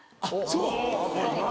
あっそう。